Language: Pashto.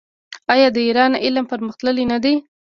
آیا د ایران علم پرمختللی نه دی؟